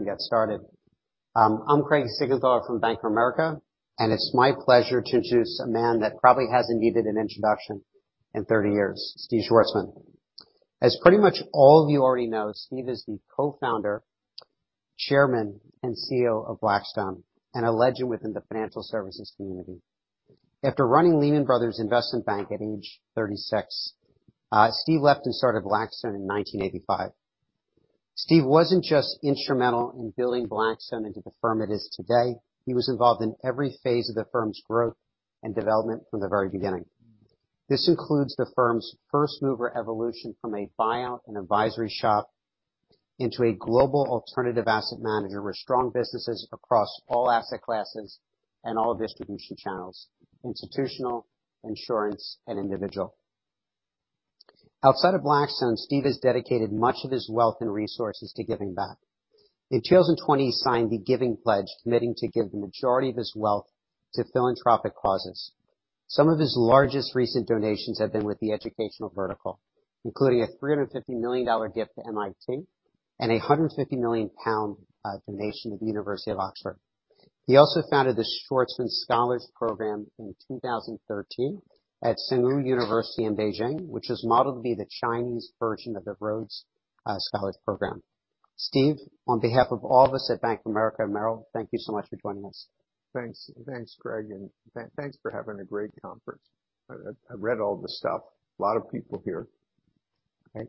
Now we can get started. I'm Craig Siegenthaler from Bank of America, it's my pleasure to introduce a man that probably hasn't needed an introduction in 30 years, Steve Schwarzman. As pretty much all of you already know, Steve is the Co-founder, Chairman, and CEO of Blackstone, and a legend within the financial services community. After running Lehman Brothers investment bank at age 36, Steve left and started Blackstone in 1985. Steve wasn't just instrumental in building Blackstone into the firm it is today. He was involved in every phase of the firm's growth and development from the very beginning. This includes the firm's first-mover evolution from a buyout and advisory shop into a global alternative asset manager with strong businesses across all asset classes and all distribution channels, institutional, insurance, and individual. Outside of Blackstone, Steve has dedicated much of his wealth and resources to giving back. In 2020, he signed the Giving Pledge, committing to give the majority of his wealth to philanthropic causes. Some of his largest recent donations have been with the educational vertical, including a $350 million gift to MIT and a 150 million pound donation to the University of Oxford. He also founded the Schwarzman Scholars program in 2013 at Tsinghua University in Beijing, which is modeled to be the Chinese version of the Rhodes Scholars program. Steve, on behalf of all of us at Bank of America and Merrill, thank you so much for joining us. Thanks. Thanks, Craig. Thanks for having a great conference. I read all the stuff. A lot of people here. Okay.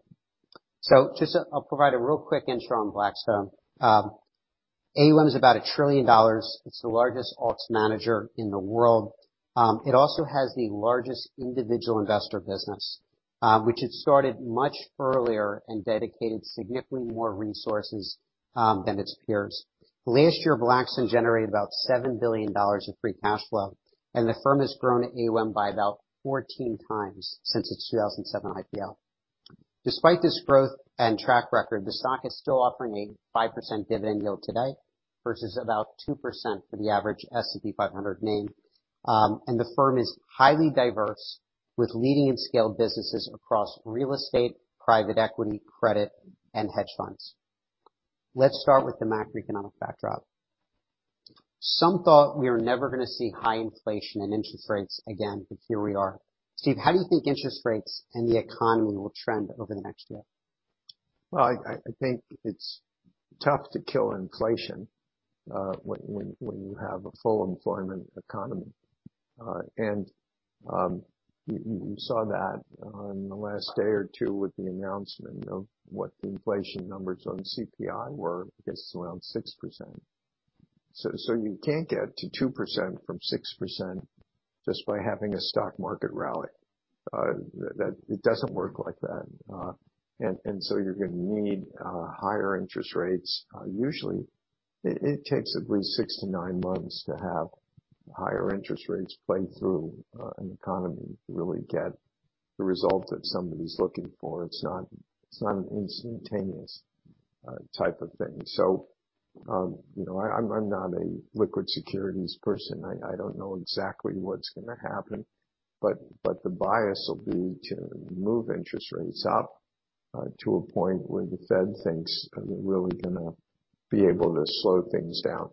I'll provide a real quick intro on Blackstone. AUM is about $1 trillion. It's the largest alts manager in the world. It also has the largest individual investor business, which it started much earlier and dedicated significantly more resources than its peers. Last year, Blackstone generated about $7 billion of free cash flow, and the firm has grown AUM by about 14 times since its 2007 IPO. Despite this growth and track record, the stock is still offering a 5% dividend yield today versus about 2% for the average S&P 500 name. The firm is highly diverse with leading and scaled businesses across real estate, private equity, credit, and hedge funds. Let's start with the macroeconomic backdrop. Some thought we were never gonna see high inflation and interest rates again. Here we are. Steve, how do you think interest rates and the economy will trend over the next year? Well, I think it's tough to kill inflation when you have a full employment economy. You saw that on the last day or two with the announcement of what the inflation numbers on CPI were. I guess around 6%. You can't get to 2% from 6% just by having a stock market rally. That doesn't work like that. You're gonna need higher interest rates. Usually it takes at least six to nine months to have higher interest rates play through an economy to really get the results that somebody's looking for. It's not an instantaneous type of thing. You know, I'm not a liquid securities person. I don't know exactly what's gonna happen, but the bias will be to move interest rates up to a point where the Fed thinks they're really gonna be able to slow things down.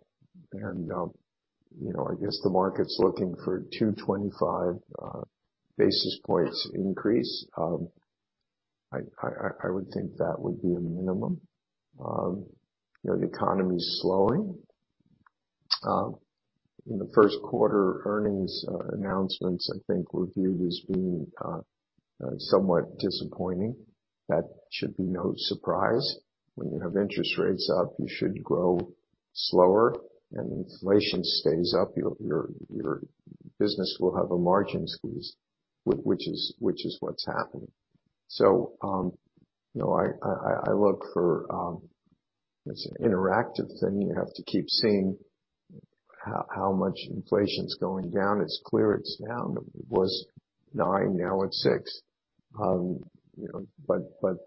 You know, I guess the market's looking for 225 basis points increase. I would think that would be a minimum. You know, the economy's slowing. In the first quarter earnings announcements I think were viewed as being somewhat disappointing. That should be no surprise. When you have interest rates up, you should grow slower. If inflation stays up, your business will have a margin squeeze, which is what's happening. You know, I look for, it's an interactive thing. You have to keep seeing how much inflation's going down. It's clear it's down. It was 9, now it's 6. you know, but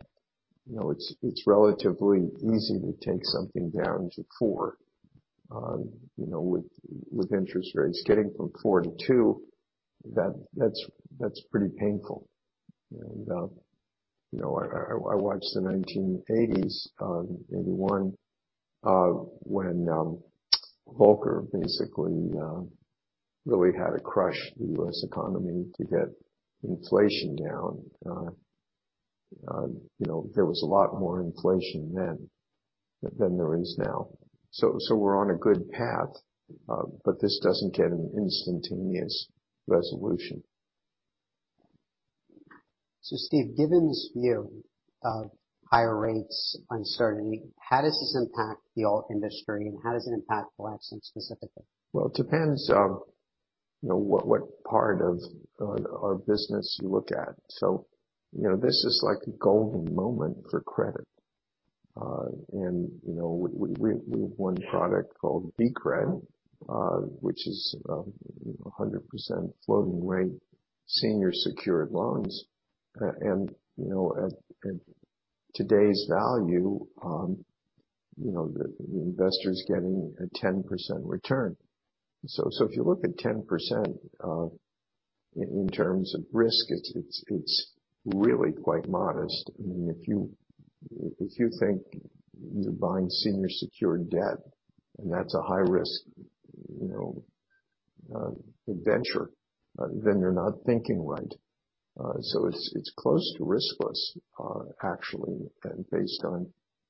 you know, it's relatively easy to take something down to 4. you know, with interest rates getting from 4 to 2, that's pretty painful. you know, I watched the 1980s, 81, when Volcker basically really had to crush the U.S. economy to get inflation down. you know, there was a lot more inflation then than there is now. we're on a good path, but this doesn't get an instantaneous resolution. Steve, given this view of higher rates uncertainty, how does this impact the alt industry, and how does it impact Blackstone specifically? Well, it depends, you know, what part of our business you look at. You know, this is like a golden moment for credit. You know, we have one product called BCRED, which is, you know, 100% floating rate senior secured loans. You know, Today's value, you know, the investor's getting a 10% return. If you look at 10%, in terms of risk, it's really quite modest. I mean, if you, if you think you're buying senior secured debt and that's a high risk, you know, venture, then you're not thinking right. It's close to riskless, actually, and based on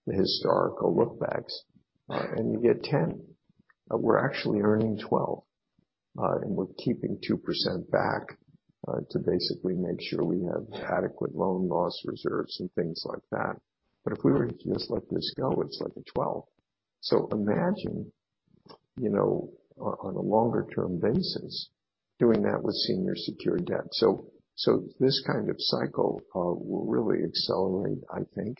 the historical look backs. You get 10%. We're actually earning 12, and we're keeping 2% back to basically make sure we have adequate loan loss reserves and things like that. If we were to just let this go, it's like a 12. Imagine, you know, on a longer term basis, doing that with senior secured debt. This kind of cycle will really accelerate, I think,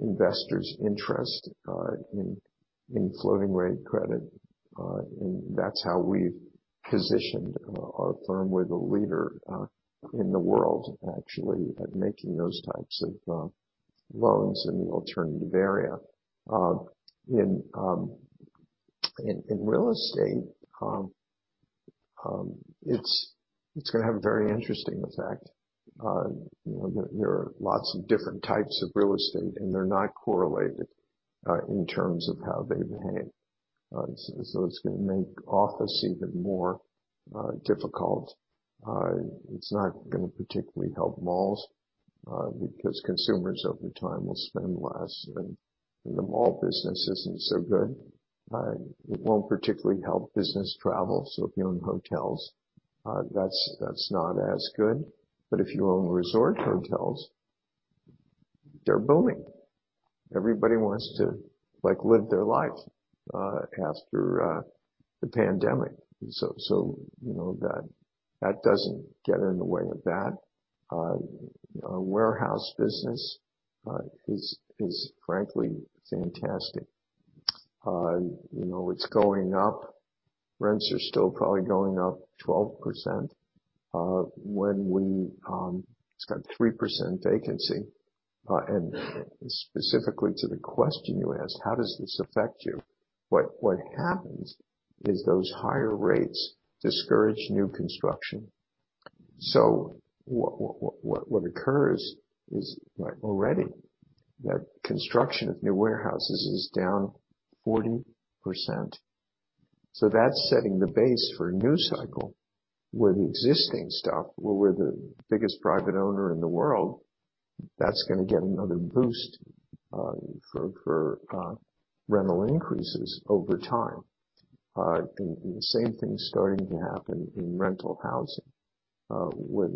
investors interest in floating rate credit. That's how we've positioned our firm. We're the leader in the world, actually, at making those types of loans in the alternative area. In real estate, it's gonna have a very interesting effect. You know, there are lots of different types of real estate, they're not correlated in terms of how they behave. It's going to make office even more difficult. It's not going to particularly help malls because consumers over time will spend less, the mall business isn't so good. It won't particularly help business travel if you own hotels, that's not as good. If you own resort hotels, they're booming. Everybody wants to, like, live their life after the pandemic. You know, that doesn't get in the way of that. Our warehouse business is frankly fantastic. You know, it's going up. Rents are still probably going up 12%. When we, it's got 3% vacancy. Specifically to the question you asked, how does this affect you? What happens is those higher rates discourage new construction. What occurs is, like already, that construction of new warehouses is down 40%. That's setting the base for a new cycle where the existing stuff, where we're the biggest private owner in the world, that's gonna get another boost for rental increases over time. The same thing's starting to happen in rental housing, where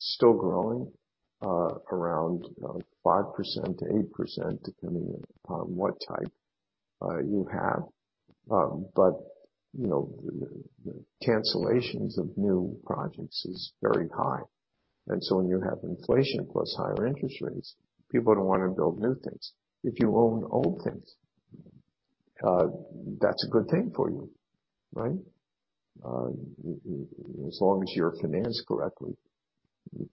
still growing around 5%-8%, depending on what type you have. You know, the cancellations of new projects is very high. When you have inflation plus higher interest rates, people don't wanna build new things. If you own old things, that's a good thing for you, right? As long as you're financed correctly,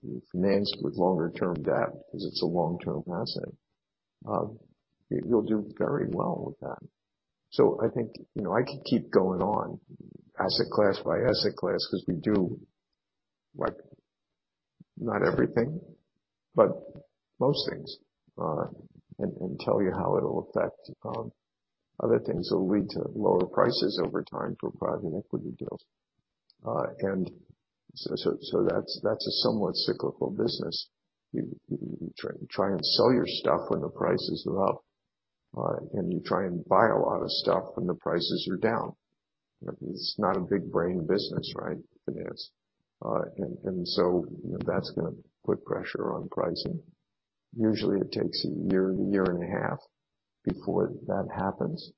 you're financed with longer term debt, because it's a long-term asset, you'll do very well with that. I think, you know, I could keep going on asset class by asset class, because we do, like, not everything, but most things, and tell you how it'll affect other things. It'll lead to lower prices over time for private equity deals. That's a somewhat cyclical business. You try and sell your stuff when the prices are up, you try and buy a lot of stuff when the prices are down. It's not a big brain business, right? Finance. That's gonna put pressure on pricing. Usually, it takes a year to year and a half before that happens.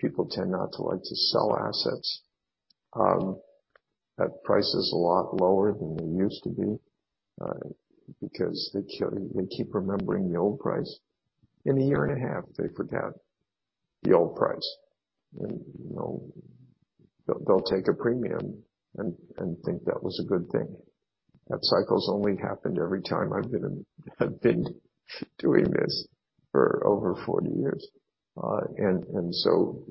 People tend not to like to sell assets at prices a lot lower than they used to be, because they keep remembering the old price. In a year and a half, they forget the old price. You know, they'll take a premium and think that was a good thing. That cycle's only happened every time I've been doing this for over 40 years. So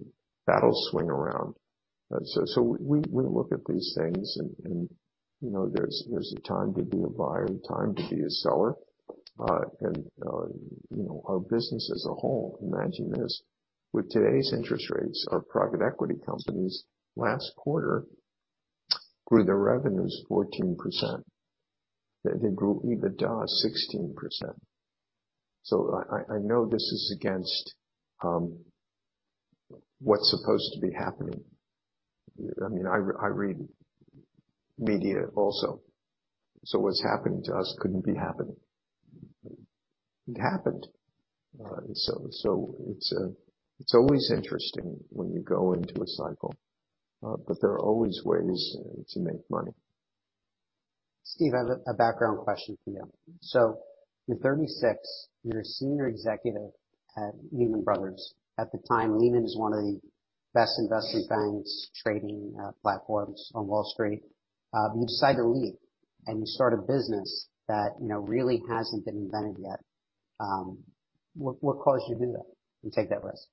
that'll swing around. So we look at these things and, you know, there's a time to be a buyer and a time to be a seller. You know, our business as a whole, imagine this, with today's interest rates, our private equity companies last quarter grew their revenues 14%. They grew EBITDA 16%. I know this is against what's supposed to be happening. I mean, I read media also. What's happening to us couldn't be happening. It happened. It's always interesting when you go into a cycle, but there are always ways to make money. Steve, I have a background question for you. You're 36. You're a senior executive at Lehman Brothers. At the time, Lehman's one of the best investment banks, trading platforms on Wall Street. You decide to leave and you start a business that, you know, really hasn't been invented yet. What caused you to do that and take that risk?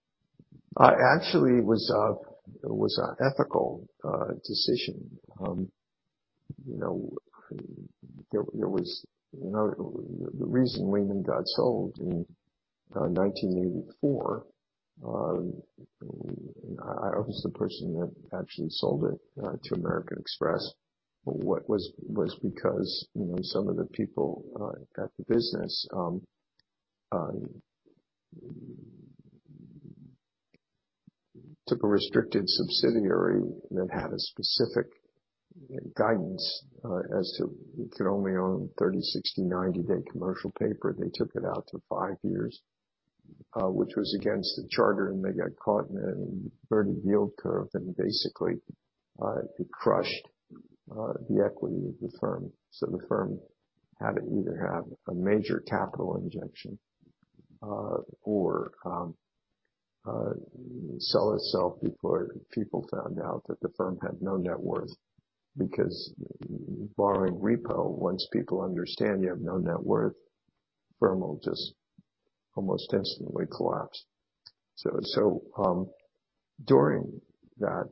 Actually, it was a ethical decision. You know, there was, you know, the reason Lehman got sold in 1984, I was the person that actually sold it to American Express. What was because, you know, some of the people at the business took a restricted subsidiary that had a specific guidance as to it could only own 30, 60, 90-day commercial paper. They took it out to five years, which was against the charter, and they got caught in an inverted yield curve, and basically, it crushed the equity of the firm. The firm had to either have a major capital injection, or sell itself before people found out that the firm had no net worth, because borrowing repo, once people understand you have no net worth, firm will just almost instantly collapse. During that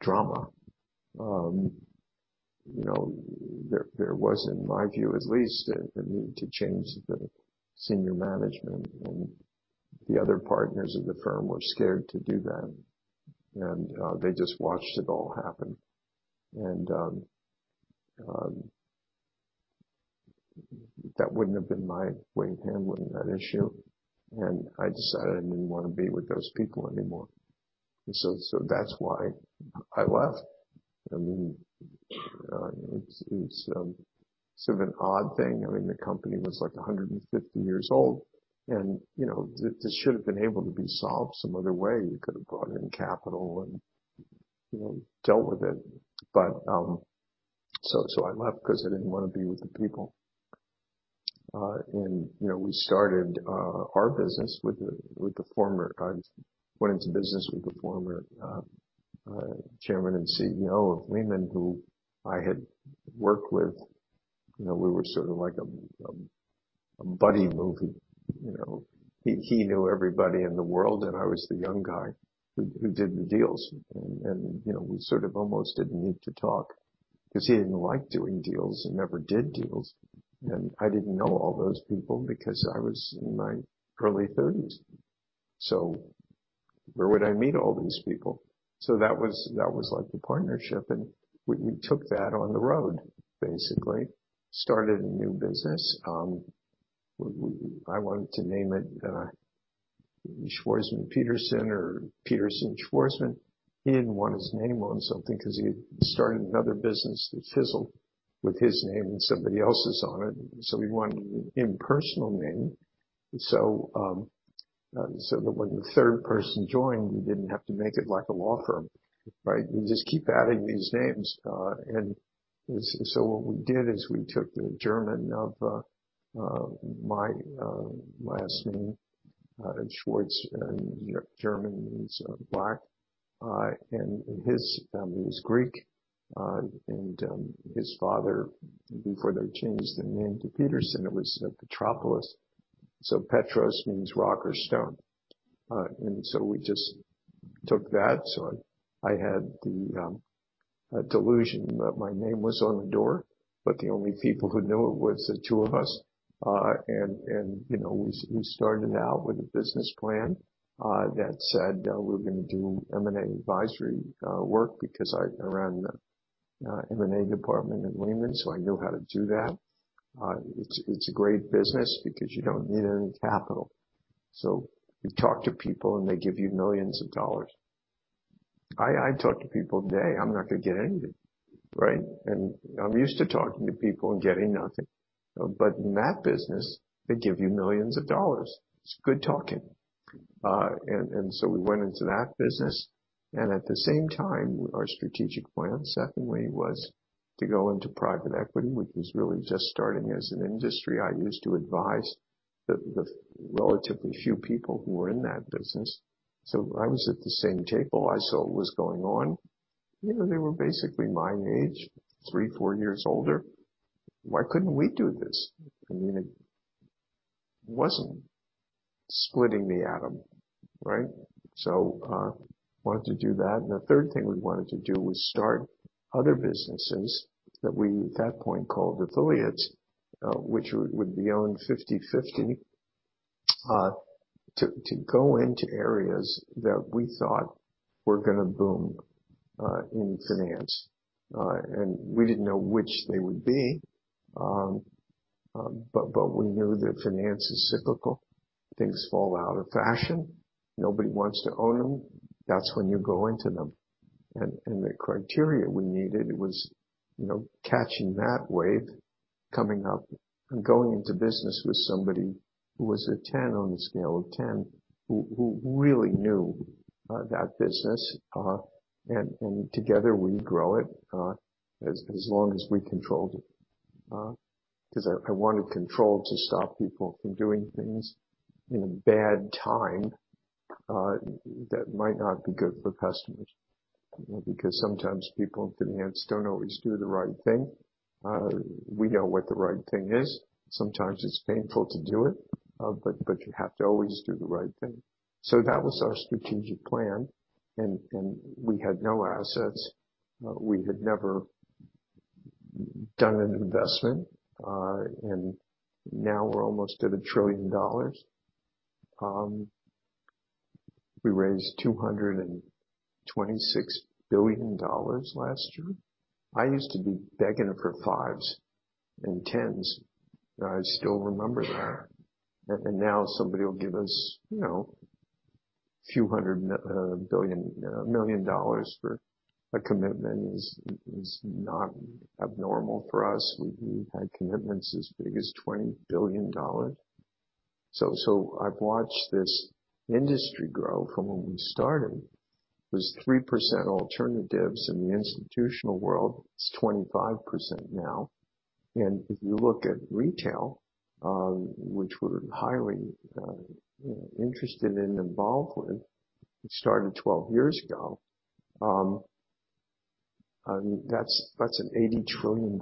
drama, you know, there was, in my view at least, a need to change the senior management and the other partners of the firm were scared to do that. They just watched it all happen. That wouldn't have been my way of handling that issue. I decided I didn't wanna be with those people anymore. That's why I left. I mean, it's sort of an odd thing. I mean, the company was, like, 150 years old and, you know, this should've been able to be solved some other way. You could have brought in capital and, you know, dealt with it. I left 'cause I didn't wanna be with the people. You know, I went into business with the former Chairman and CEO of Lehman, who I had worked with. You know, we were sort of like a buddy movie, you know. He knew everybody in the world, and I was the young guy who did the deals. You know, we sort of almost didn't need to talk 'cause he didn't like doing deals and never did deals. I didn't know all those people because I was in my early thirties. Where would I meet all these people? That was, like, the partnership, and we took that on the road, basically. Started a new business. I wanted to name it Schwarzman Peterson or Peterson Schwarzman. He didn't want his name on something 'cause he started another business that fizzled with his name and somebody else's on it, so he wanted an impersonal name. That when the third person joined, we didn't have to make it like a law firm, right? You just keep adding these names. What we did is we took the German of my last name, Schwarz, in German means black. His family was Greek, his father, before they changed their name to Peterson, it was Petropoulos. Petros means rock or stone. We just took that. I had the delusion that my name was on the door, but the only people who knew it was the two of us. You know, we started out with a business plan that said we were gonna do M&A advisory work because I ran the M&A department at Lehman, I knew how to do that. It's, it's a great business because you don't need any capital. You talk to people, and they give you millions of dollars. I talk to people today, I'm not gonna get anything, right? I'm used to talking to people and getting nothing. In that business, they give you millions of dollars. It's good talking. We went into that business. At the same time, our strategic plan, secondly, was to go into private equity, which was really just starting as an industry. I used to advise the relatively few people who were in that business. I was at the same table. I saw what was going on. You know, they were basically my age, three, four years older. Why couldn't we do this? I mean, it wasn't splitting the atom, right? Wanted to do that. The third thing we wanted to do was start other businesses that we, at that point, called affiliates, which would be owned 50/50, to go into areas that we thought were gonna boom, in finance. We didn't know which they would be. We knew that finance is cyclical. Things fall out of fashion. Nobody wants to own them. That's when you go into them. The criteria we needed was, you know, catching that wave, coming up and going into business with somebody who was a 10 on the scale of 10, who really knew that business. Together we grow it, as long as we controlled it. I wanted control to stop people from doing things in a bad time, that might not be good for customers. You know, because sometimes people in finance don't always do the right thing. We know what the right thing is. Sometimes it's painful to do it, but you have to always do the right thing. That was our strategic plan. We had no assets. We had never done an investment, and now we're almost at $1 trillion. We raised $226 billion last year. I used to be begging for $5 and $10. I still remember that. Now somebody will give us, you know, a few hundred million dollars for a commitment is not abnormal for us. We've had commitments as big as $20 billion. I've watched this industry grow from when we started. It was 3% alternatives in the institutional world. It's 25% now. If you look at retail, which we're highly, you know, interested and involved with, it started 12 years ago. That's an $80 trillion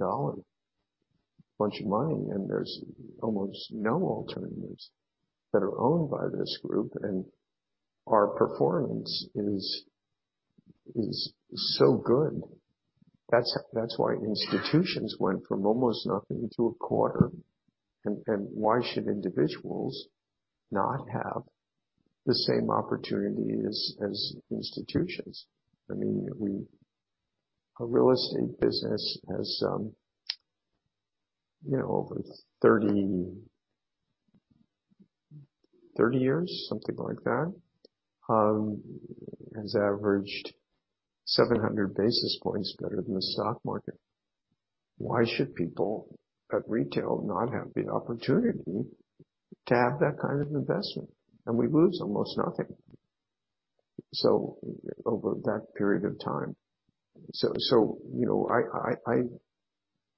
bunch of money, and there's almost no alternatives that are owned by this group. Our performance is so good. That's why institutions went from almost nothing to a quarter. Why should individuals not have the same opportunity as institutions? I mean, our real estate business has, you know, over 30 years, something like that, has averaged 700 basis points better than the stock market. Why should people at retail not have the opportunity to have that kind of investment? We lose almost nothing. Over that period of time. You know, I,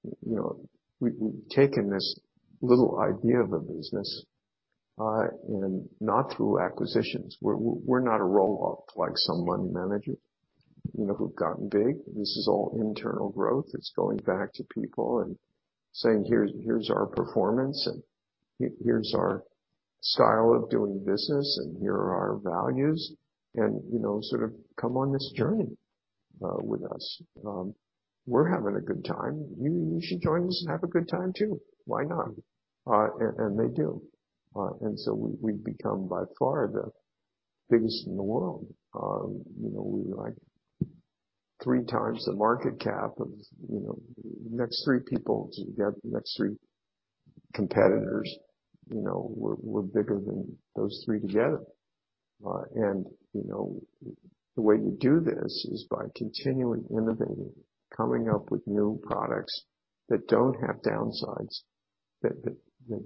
you know, we've taken this little idea of a business, not through acquisitions. We're not a roll-up like some money manager, you know, who've gotten big. This is all internal growth. It's going back to people and saying, "Here's our performance, and here's our style of doing business, and here are our values. You know, sort of come on this journey with us. We're having a good time. You, you should join us and have a good time too. Why not?" They do. We, we've become by far the biggest in the world. You know, we're like 3 times the market cap of, you know, next 3 people together, next 3 competitors. You know, we're bigger than those 3 together. You know, the way you do this is by continually innovating, coming up with new products that don't have downsides, that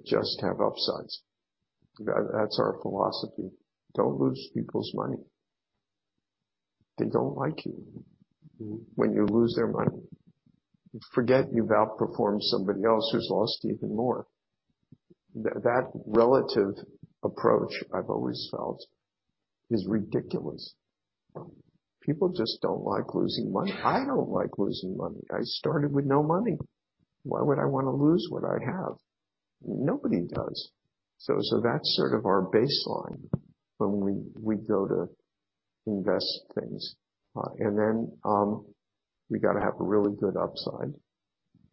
just have upsides. That's our philosophy. Don't lose people's money. They don't like you when you lose their money. Forget you've outperformed somebody else who's lost even more. That relative approach, I've always felt, is ridiculous. People just don't like losing money. I don't like losing money. I started with no money. Why would I wanna lose what I have? Nobody does. That's sort of our baseline when we go to invest things. Then, we gotta have a really good upside.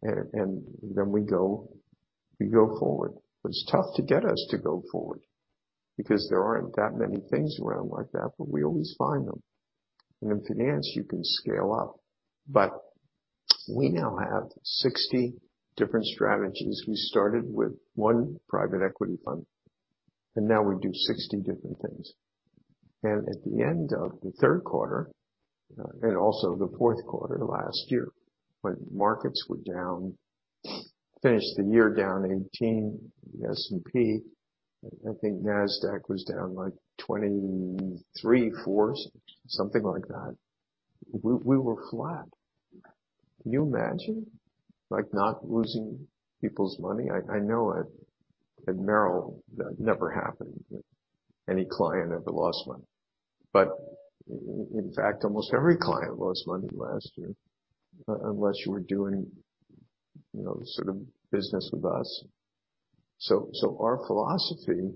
Then we go forward. It's tough to get us to go forward because there aren't that many things around like that, but we always find them. In finance, you can scale up, but we now have 60 different strategies. We started with 1 private equity fund, and now we do 60 different things. At the end of the third quarter, and also the fourth quarter last year, when markets were down, finished the year down 18, the S&P, I think Nasdaq was down like 23, 4, something like that. We were flat. Can you imagine, like, not losing people's money? I know at Merrill that never happened. Any client ever lost money. In fact, almost every client lost money last year, unless you were doing, you know, sort of business with us. Our philosophy,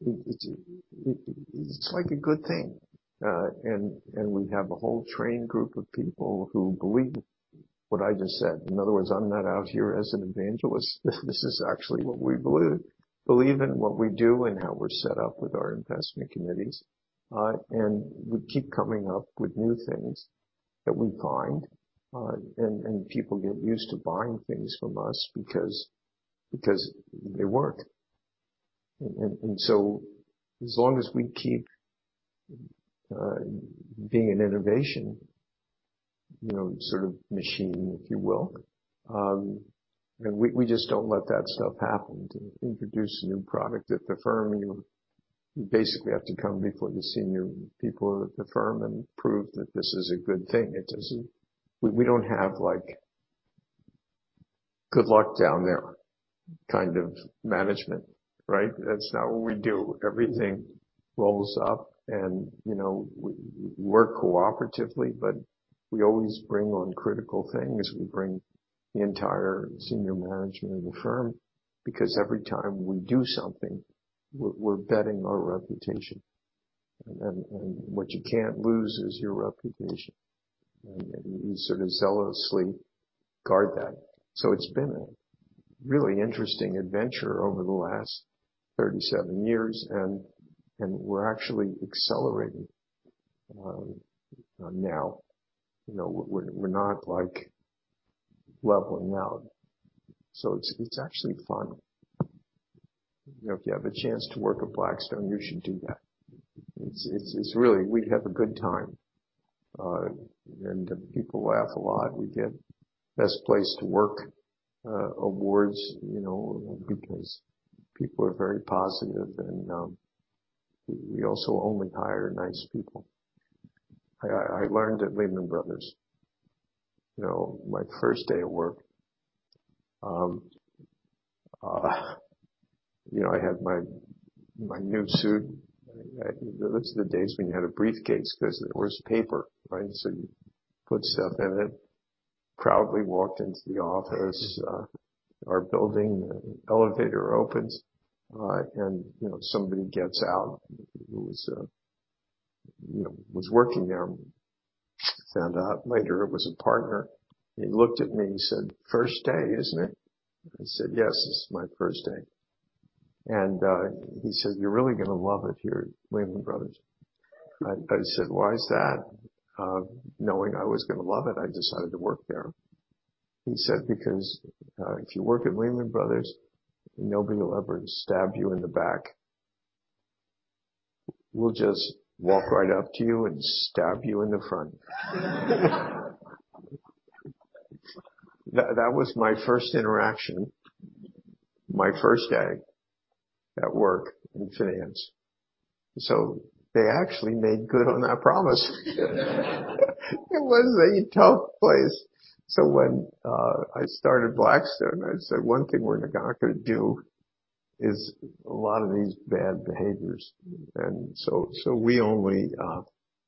it's like a good thing. And we have a whole trained group of people who believe what I just said. In other words, I'm not out here as an evangelist. This is actually what we believe. Believe in what we do and how we're set up with our investment committees. We keep coming up with new things that we find, and people get used to buying things from us because they work. As long as we keep being an innovation, you know, sort of machine, if you will, we just don't let that stuff happen. To introduce a new product at the firm, You basically have to come before the senior people at the firm and prove that this is a good thing. It isn't. We don't have like, good luck down there kind of management, right? That's not what we do. Everything rolls up, you know, we work cooperatively, but we always bring on critical things. We bring the entire senior management of the firm, because every time we do something, we're betting our reputation. What you can't lose is your reputation. You sort of zealously guard that. It's been a really interesting adventure over the last 37 years and we're actually accelerating now. You know, we're not like leveling out. It's actually fun. You know, if you have a chance to work at Blackstone, you should do that. It's really. We have a good time. People laugh a lot. We get best place to work awards, you know, because people are very positive and we also only hire nice people. I learned at Lehman Brothers, you know, my first day at work, you know, I had my new suit. Those are the days when you had a briefcase 'cause it was paper, right? You put stuff in it. Proudly walked into the office, our building, the elevator opens, and, you know, somebody gets out who was, you know, was working there. Found out later it was a partner. He looked at me, he said, "First day, isn't it?" I said, "Yes, this is my first day." He said, "You're really gonna love it here at Lehman Brothers." I said, "Why is that?" Knowing I was gonna love it, I decided to work there. He said, "Because if you work at Lehman Brothers, nobody will ever stab you in the back. We'll just walk right up to you and stab you in the front." That was my first interaction, my first day at work in finance. They actually made good on that promise. It was a tough place. When I started Blackstone, I said, "One thing we're not gonna do is a lot of these bad behaviors."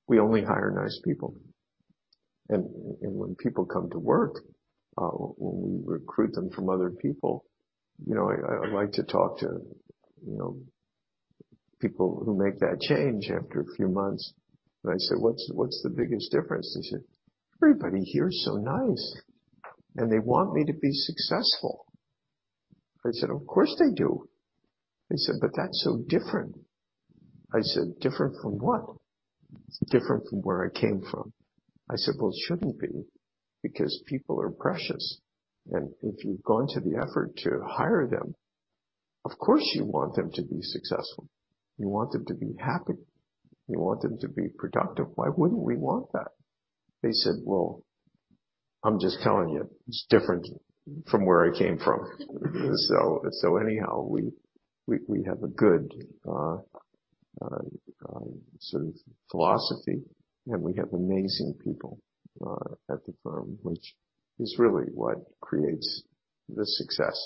We only hire nice people. When people come to work, when we recruit them from other people, you know, I like to talk to, you know, people who make that change after a few months. I say, "What's the biggest difference?" They say, "Everybody here is so nice, and they want me to be successful." I said, "Of course, they do." They said, "But that's so different." I said, "Different from what?" "Different from where I came from." I said, "Well, it shouldn't be, because people are precious. If you've gone to the effort to hire them, of course, you want them to be successful. You want them to be happy. You want them to be productive. Why wouldn't we want that?" They said, "Well, I'm just telling you, it's different from where I came from." Anyhow, we have a good sort of philosophy, and we have amazing people at the firm, which is really what creates the success.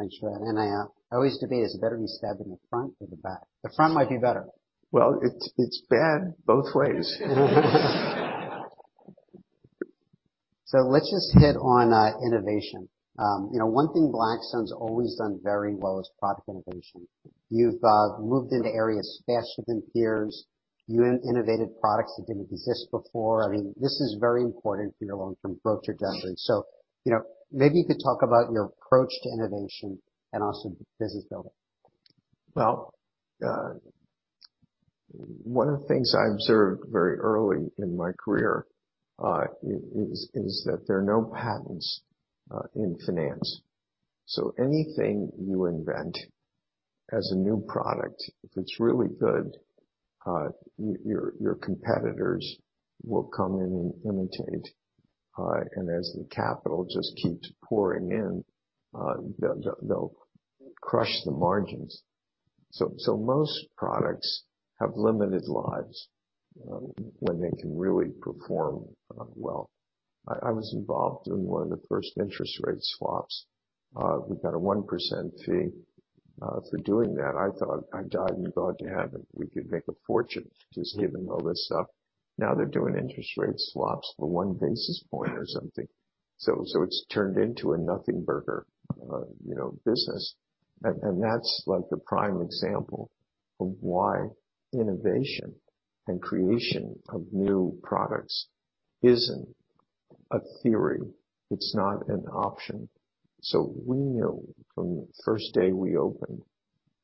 Thanks for that. I always used to be, is it better to be stabbed in the front or the back? The front might be better. Well, it's bad both ways. Let's just hit on innovation. You know, one thing Blackstone's always done very well is product innovation. You've moved into areas faster than peers. You innovated products that didn't exist before. I mean, this is very important for your long-term growth trajectory. You know, maybe you could talk about your approach to innovation and also business building. Well, one of the things I observed very early in my career, is that there are no patents in finance. Anything you invent as a new product, if it's really good, your competitors will come in and imitate, and as the capital just keeps pouring in, they'll crush the margins. Most products have limited lives, when they can really perform well. I was involved in one of the first interest rate swaps. We got a 1% fee for doing that. I thought I died and gone to heaven. We could make a fortune just giving all this up. Now they're doing interest rate swaps for 1 basis point or something. It's turned into a nothing burger, you know, business. That's like the prime example of why innovation and creation of new products isn't a theory. It's not an option. We knew from the first day we opened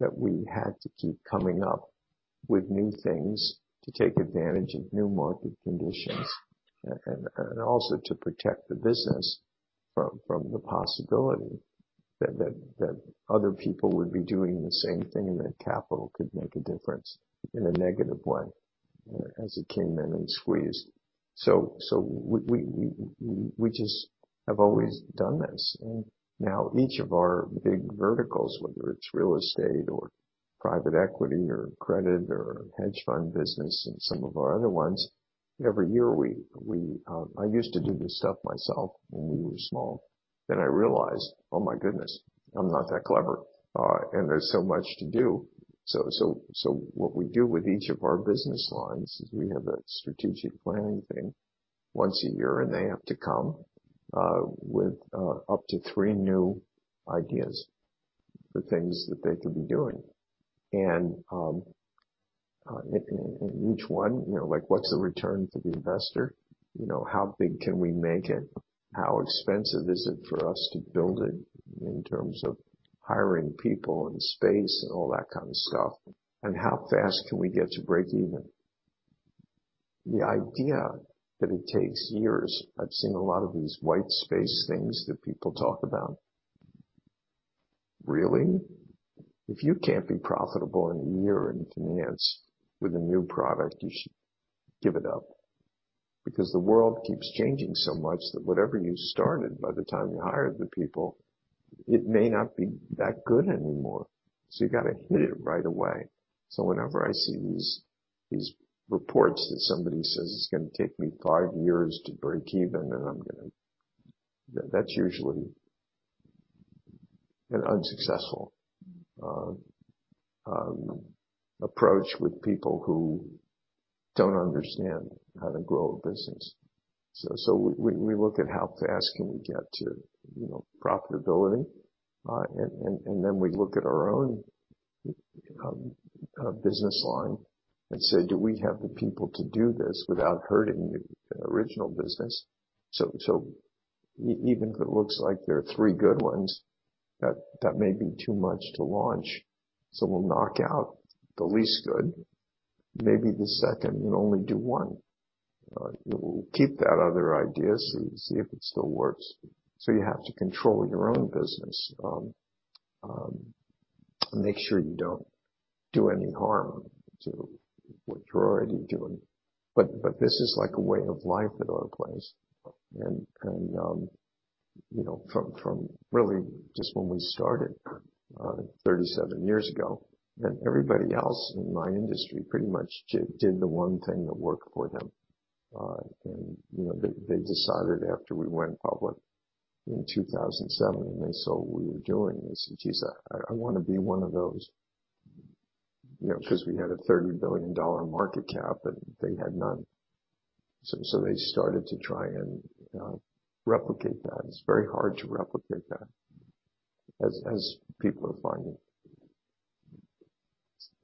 that we had to keep coming up with new things to take advantage of new market conditions and also to protect the business from the possibility that other people would be doing the same thing and that capital could make a difference in a negative way as it came in and squeezed. We just have always done this. Now each of our big verticals, whether it's real estate or private equity or credit or hedge fund business and some of our other ones, every year we... I used to do this stuff myself when we were small, then I realized, oh my goodness, I'm not that clever, and there's so much to do. What we do with each of our business lines is we have a strategic planning thing once a year, and they have to come with up to three new ideas for things that they could be doing. Each one, you know, like, what's the return for the investor? You know, how big can we make it? How expensive is it for us to build it in terms of hiring people and space and all that kind of stuff? How fast can we get to breakeven? The idea that it takes years, I've seen a lot of these white space things that people talk about. Really? If you can't be profitable in a year in finance with a new product, you should give it up, because the world keeps changing so much that whatever you started, by the time you hire the people, it may not be that good anymore. You gotta hit it right away. Whenever I see these reports that somebody says, "It's gonna take me 5 years to break even, and I'm gonna..." That's usually an unsuccessful approach with people who don't understand how to grow a business. We look at how fast can we get to, you know, profitability. Then we look at our own business line and say, "Do we have the people to do this without hurting the original business?" Even if it looks like there are three good ones, that may be too much to launch, so we'll knock out the least good, maybe the second, and only do one. We'll keep that other idea, see if it still works. You have to control your own business. Make sure you don't do any harm to what you're already doing. This is like a way of life at Oaktree. You know, from really just when we started 37 years ago, and everybody else in my industry pretty much did the one thing that worked for them. You know, they decided after we went public in 2007, and they saw what we were doing, they said, "Geez, I wanna be one of those." You know, 'cause we had a $30 billion market cap, and they had none. So they started to try and replicate that. It's very hard to replicate that as people are finding.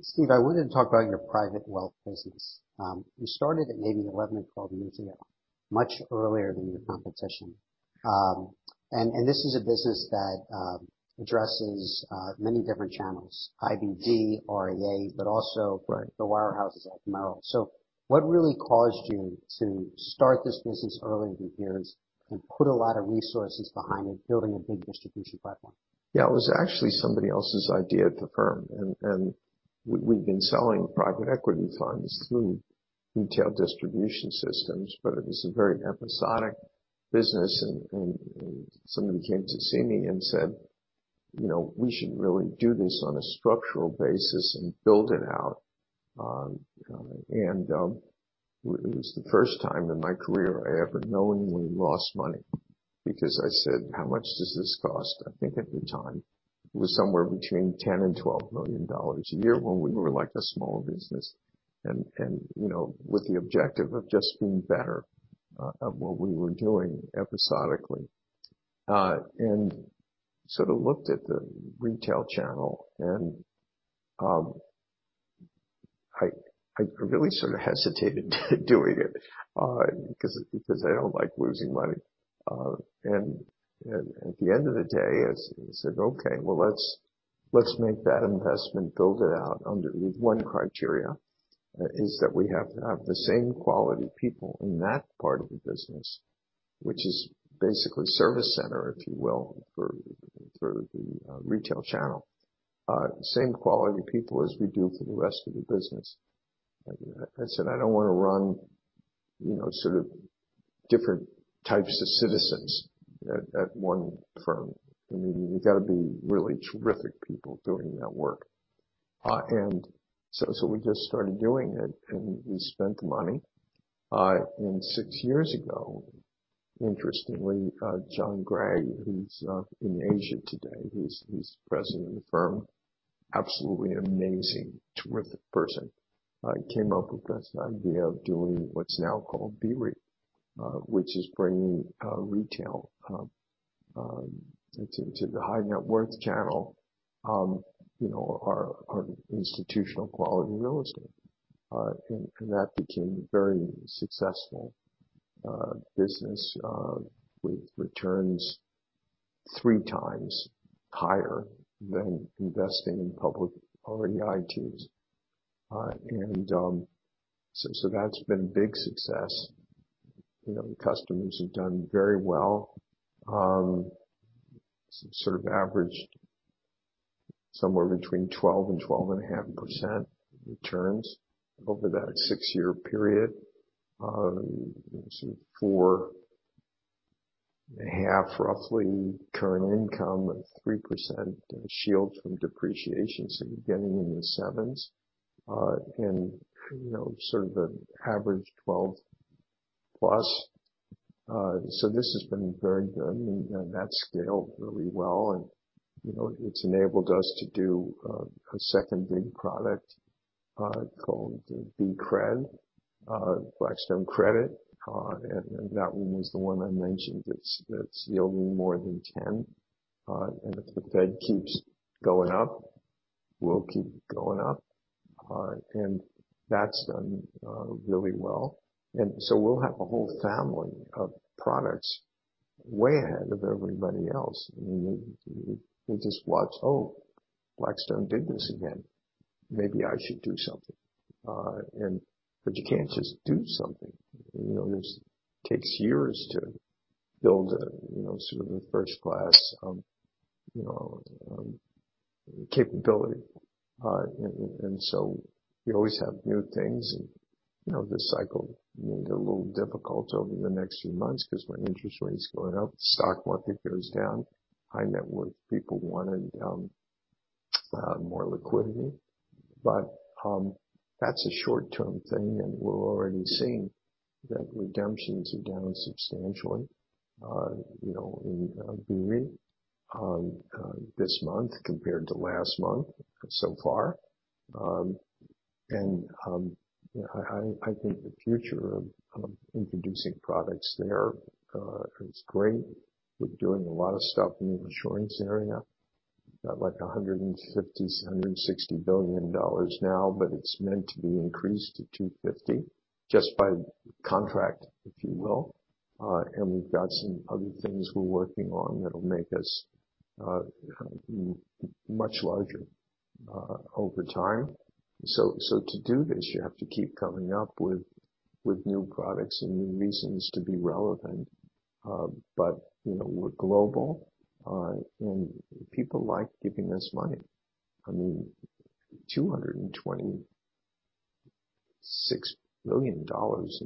Steve, I wanted to talk about your private wealth business. You started it maybe 11 or 12 years ago, much earlier than your competition. And this is a business that addresses many different channels, IBG, REA, but also- Right. -the wirehouses like Merrill. What really caused you to start this business early in the years and put a lot of resources behind it, building a big distribution platform? Yeah. It was actually somebody else's idea at the firm. We'd been selling private equity funds through retail distribution systems, but it was a very episodic business. Somebody came to see me and said, "You know, we should really do this on a structural basis and build it out." It was the first time in my career I ever knowingly lost money because I said, "How much does this cost?" I think at the time it was somewhere between $10 million and $12 million a year when we were, like, a small business. You know, with the objective of just being better at what we were doing episodically. Sort of looked at the retail channel and I really sort of hesitated doing it because I don't like losing money. At the end of the day, I said, "Okay, well, let's make that investment, build it out under one criteria, is that we have to have the same quality people in that part of the business," which is basically service center, if you will, for the retail channel. Same quality people as we do for the rest of the business. I said, "I don't wanna run, you know, sort of different types of citizens at one firm. I mean, they gotta be really terrific people doing that work." We just started doing it, and we spent the money. 6 years ago, interestingly, John Gray, who's in Asia today, he's president of the firm, absolutely amazing, terrific person, came up with this idea of doing what's now called BREIT, which is bringing retail to the high net worth channel, you know, our institutional quality real estate. That became very successful business with returns 3 times higher than investing in public or REITs. So that's been big success. You know, the customers have done very well. Somewhere between 12 and 12.5% returns over that 6-year period, so 4.5%, roughly current income of 3% shields from depreciation. So you're getting in the sevens, and, you know, sort of an average 12+. This has been very good, and that scaled really well, and, you know, it's enabled us to do a second big product, called BCRED, Blackstone Credit. That one was the one I mentioned that's yielding more than 10. If the Fed keeps going up, we'll keep going up. That's done really well. We'll have a whole family of products way ahead of everybody else. I mean, they just watch, "Oh, Blackstone did this again. Maybe I should do something." You can't just do something. You know, this takes years to build a, you know, sort of a first-class capability. You always have new things. You know, this cycle may be a little difficult over the next few months 'cause when interest rates go up, the stock market goes down. High net worth people wanted more liquidity. That's a short-term thing, and we're already seeing that redemptions are down substantially in BE this month compared to last month so far. You know, I think the future of introducing products there is great. We're doing a lot of stuff in the insurance area. Got like $150 billion-$160 billion now, but it's meant to be increased to $250 just by contract, if you will. We've got some other things we're working on that'll make us much larger over time. To do this, you have to keep coming up with new products and new reasons to be relevant. You know, we're global, and people like giving us money. I mean, $226 billion in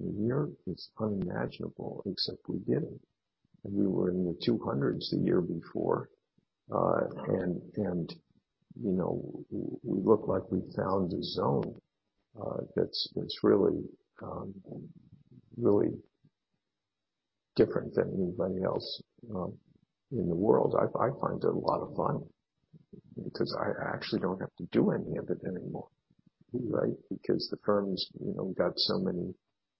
a year is unimaginable, except we did it. And we were in the 200s the year before. You know, we look like we found a zone that's really, really different than anybody else in the world. I find it a lot of fun because I actually don't have to do any of it anymore, right? Because the firm's, you know, got so many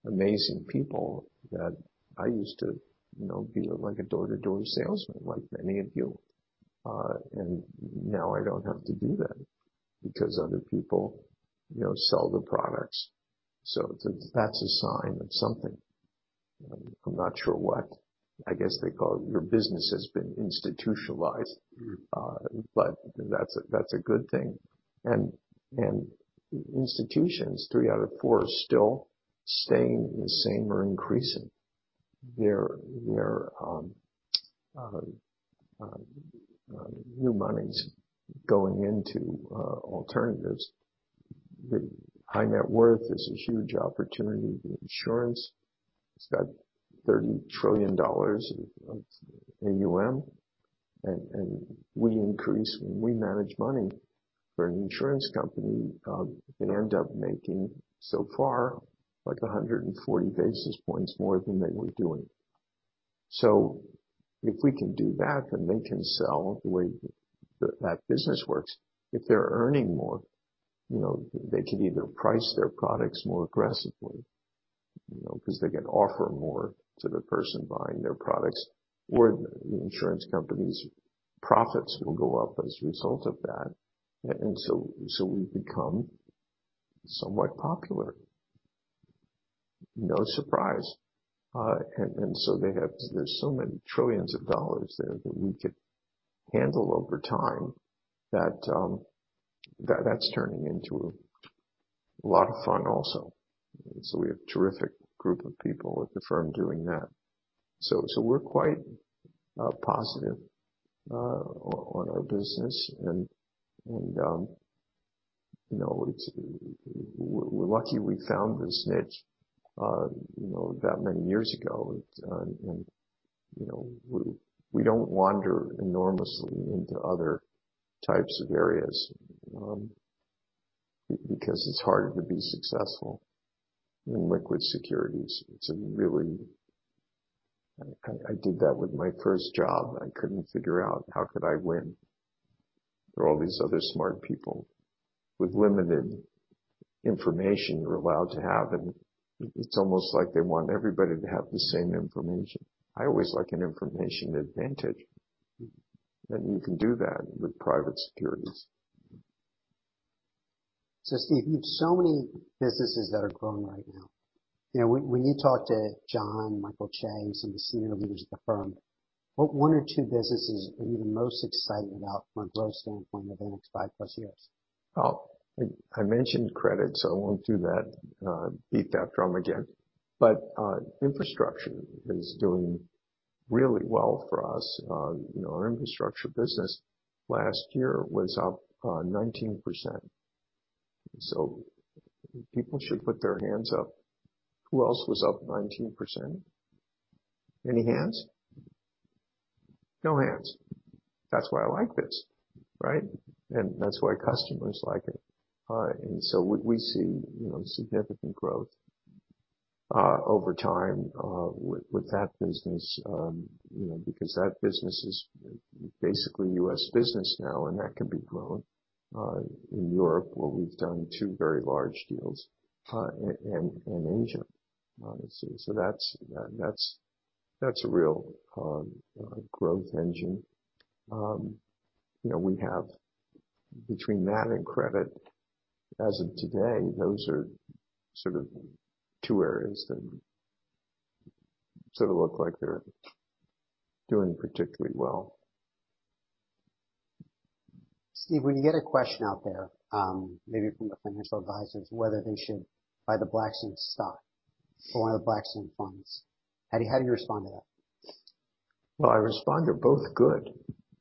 amazing people that I used to, you know, be like a door-to-door salesman, like many of you. And now I don't have to do that because other people, you know, sell the products. That's a sign of something. I'm not sure what. I guess they call it your business has been institutionalized. Mm-hmm. That's a good thing. Institutions, three out of four are still staying the same or increasing their new monies going into alternatives. The high net worth is a huge opportunity. The insurance has got $30 trillion of AUM, and we increase when we manage money for an insurance company, they end up making, so far, like 140 basis points more than they were doing. If we can do that, then they can sell the way that business works. If they're earning more, you know, they can either price their products more aggressively, you know, because they can offer more to the person buying their products, or the insurance company's profits will go up as a result of that. We've become somewhat popular. No surprise. There's so many trillions of dollars there that we could handle over time that that's turning into a lot of fun also. We have a terrific group of people at the firm doing that. We're quite positive on our business. You know, we're lucky we found this niche, you know, that many years ago. You know, we don't wander enormously into other types of areas because it's hard to be successful in liquid securities. It's a really... I did that with my first job. I couldn't figure out how could I win. There are all these other smart people with limited information you're allowed to have, and it's almost like they want everybody to have the same information. I always like an information advantage. Mm-hmm. You can do that with private securities. Steve, you have so many businesses that are growing right now. You know, when you talk to John, Michael Chae, some of the senior leaders of the firm, what one or two businesses are you the most excited about from a growth standpoint over the next 5+ years? Well, I mentioned credit, I won't do that, beat that drum again. Infrastructure is doing really well for us. You know, our infrastructure business last year was up 19%. People should put their hands up. Who else was up 19%? Any hands? No hands. That's why I like this, right? That's why customers like it. We see, you know, significant growth over time with that business. You know, because that business is basically US business now, and that can be grown in Europe, where we've done two very large deals, and Asia. So that's a real growth engine. You know, we have between that and credit as of today, those are sort of two areas that sort of look like they're doing particularly well. Steve, when you get a question out there, maybe from the financial advisors, whether they should buy the Blackstone stock or one of the Blackstone funds, how do you respond to that? I respond they're both good,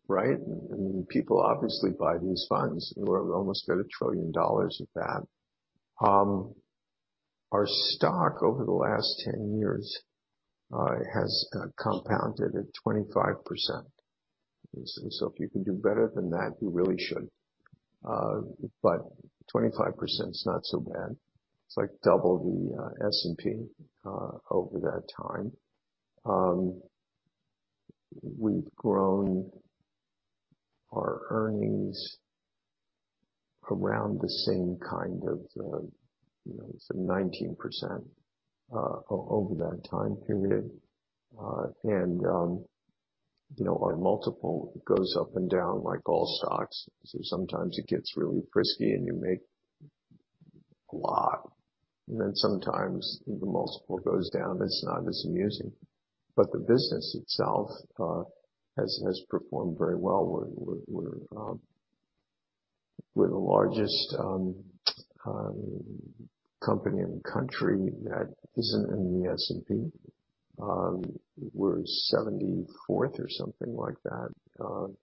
right? I mean, people obviously buy these funds. We're almost at $1 trillion with that. Our stock over the last 10 years has compounded at 25%. If you can do better than that, you really should. 25% is not so bad. It's like double the S&P over that time. We've grown our earnings around the same kind of, you know, some 19% over that time period. You know, our multiple goes up and down like all stocks. Sometimes it gets really frisky and you make a lot, and then sometimes the multiple goes down. It's not as amusing. The business itself has performed very well. We're the largest company in the country that isn't in the S&P. We're 74th or something like that on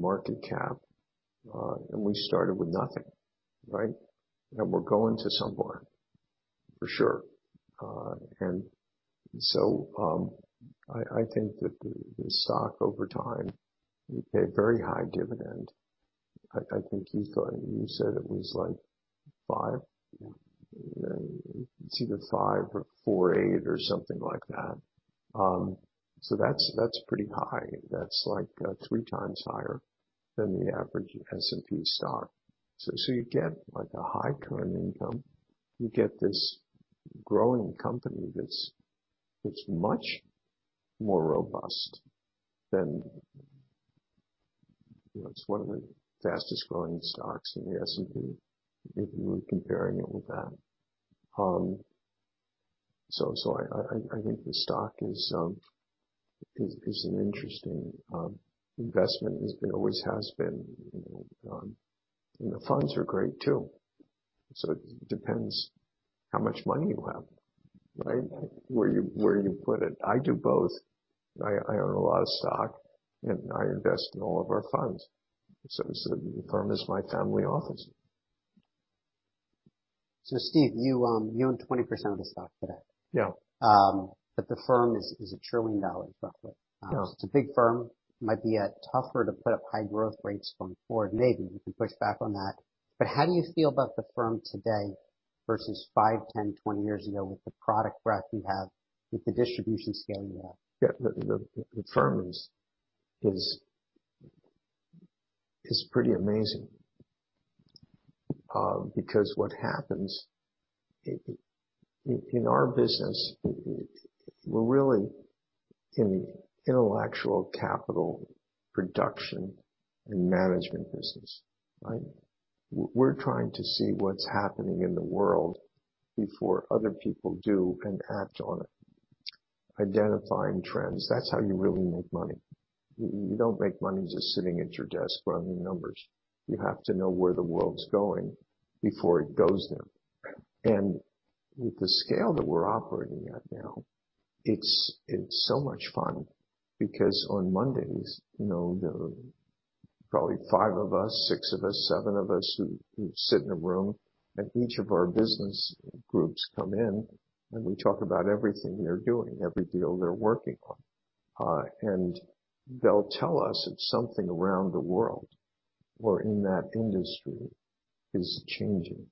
market cap. We started with nothing, right? We're going to somewhere for sure. I think that the stock over time, we pay very high dividend. I think you said it was like five. It's either five or 4.8 or something like that. That's pretty high. That's like three times higher than the average S&P star. You get like a high current income. You get this growing company that's much more robust than... You know, it's one of the fastest growing stocks in the S&P, if you were comparing it with that. I think the stock is an interesting investment. Always has been, you know. The funds are great too. It depends how much money you have, right? Where you put it. I do both. I own a lot of stock, and I invest in all of our funds. The firm is my family office. Steve, you own 20% of the stock today. Yeah. The firm is $1 trillion roughly. Yeah. It's a big firm. Might be tougher to put up high growth rates going forward. Maybe you can push back on that. How do you feel about the firm today versus 5, 10, 20 years ago with the product breadth you have, with the distribution scale you have? Yeah. The firm is pretty amazing, because what happens in our business, we're really in the intellectual capital production and management business, right? We're trying to see what's happening in the world before other people do and act on it. Identifying trends, that's how you really make money. You don't make money just sitting at your desk running numbers. You have to know where the world's going before it goes there. With the scale that we're operating at now, it's so much fun because on Mondays, you know, there are probably five of us, six of us, seven of us who sit in a room, and each of our business groups come in. We talk about everything they're doing, every deal they're working on. They'll tell us if something around the world or in that industry is changing.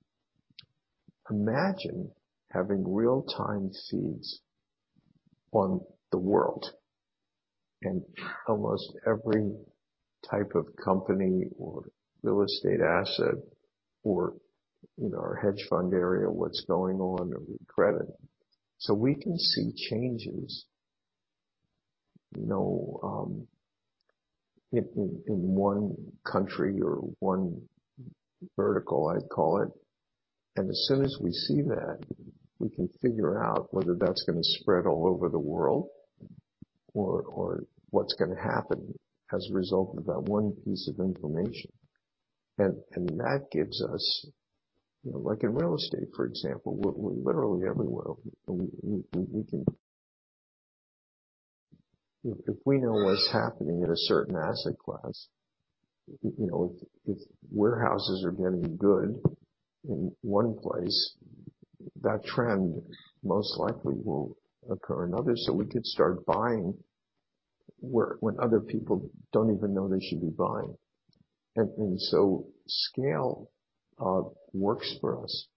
Imagine having real-time feeds on the world and almost every type of company or real estate asset or, you know, our hedge fund area, what's going on with credit. We can see changes, you know, in one country or one vertical, I'd call it. As soon as we see that, we can figure out whether that's going to spread all over the world or what's going to happen as a result of that one piece of information. That gives us, you know, like in real estate, for example, we literally have the world. We can... If, if we know what's happening at a certain asset class, you know, if warehouses are getting good in one place, that trend most likely will occur in others. We could start buying when other people don't even know they should be buying. Scale works for us.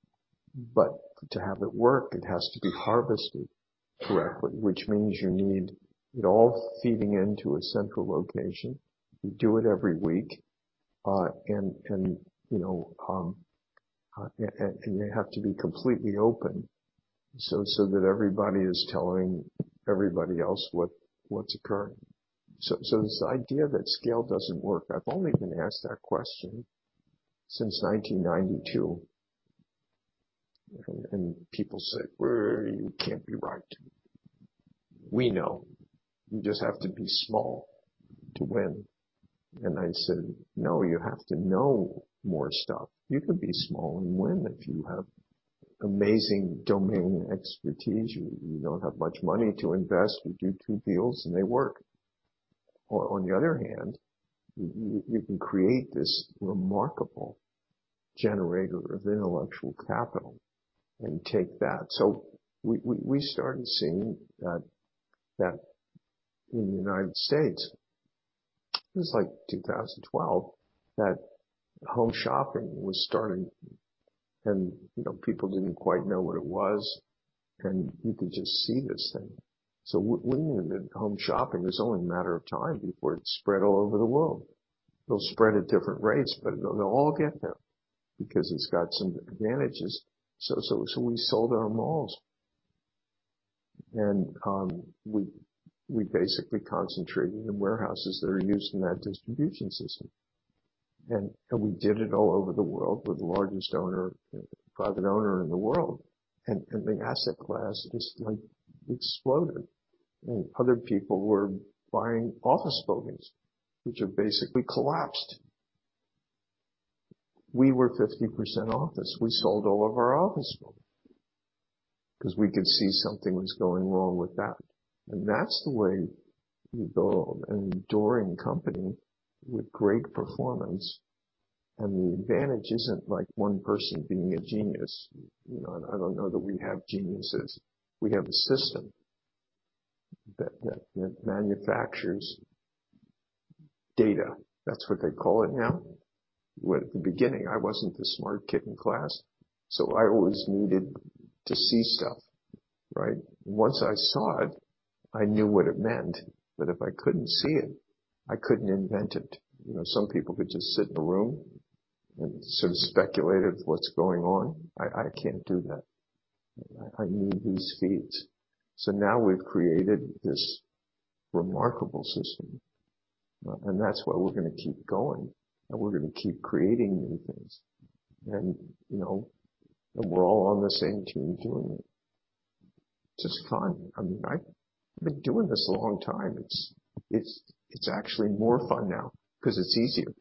To have it work, it has to be harvested correctly, which means you need it all feeding into a central location. You do it every week. You know, and you have to be completely open so that everybody is telling everybody else what's occurring. This idea that scale doesn't work, I've only been asked that question since 1992. People say, "Well, you can't be right. We know, you just have to be small to win." I said, "No, you have to know more stuff. You could be small and win if you have amazing domain expertise. You don't have much money to invest. You do two deals, and they work. On the other hand, you can create this remarkable generator of intellectual capital and take that. We started seeing that in the United States, it was like 2012, that home shopping was starting. You know, people didn't quite know what it was, and you could just see this thing. Winning at home shopping, it was only a matter of time before it spread all over the world. It'll spread at different rates, but they'll all get there because it's got some advantages. We sold our malls. We basically concentrated in warehouses that are used in that distribution system. We did it all over the world. We're the largest owner, private owner in the world. The asset class just like exploded. Other people were buying office buildings, which have basically collapsed. We were 50% office. We sold all of our office buildings because we could see something was going wrong with that. That's the way you build an enduring company with great performance. The advantage isn't like one person being a genius. You know, I don't know that we have geniuses. We have a system that manufactures data. That's what they call it now. At the beginning, I wasn't the smart kid in class, so I always needed to see stuff, right? Once I saw it, I knew what it meant. If I couldn't see it, I couldn't invent it. You know, some people could just sit in a room and sort of speculate what's going on. I can't do that. I need these feeds. Now we've created this remarkable system, and that's why we're gonna keep going, and we're gonna keep creating new things. You know, and we're all on the same team doing it. Just fun. I mean, I've been doing this a long time. It's actually more fun now because it's easier.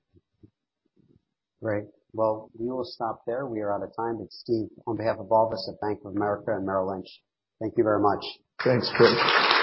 Great. Well, we will stop there. We are out of time. Steve, on behalf of all of us at Bank of America and Merrill Lynch, thank you very much. Thanks, Chris.